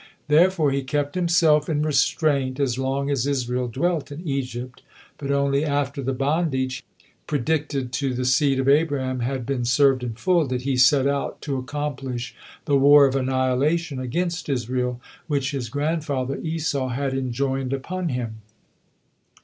Therefore he kept himself in restraint as long as Israel dwelt in Egypt, but only after the bondage predicted to the seed of Abraham had been served in full, did he set out to accomplish the war of annihilation against Israel, which his grandfather Esau had enjoined upon him.